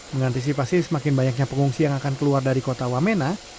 mengantisipasi semakin banyaknya pengungsi yang akan keluar dari kota wamena